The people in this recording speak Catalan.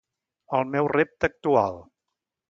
El meu repte actual.